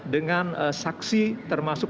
dengan saksi termasuk